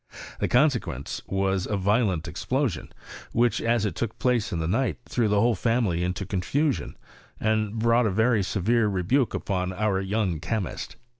The consequence was a violent explosion, which, as tt took place in the ni^ht, threw the whole fa mily iitto confusion, and brought a very severe n^ buke upon our young chemist.